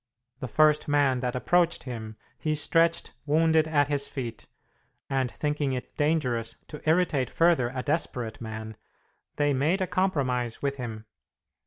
The first man that approached him, he stretched wounded at his feet, and thinking it dangerous to irritate further a desperate man, they made a compromise with him.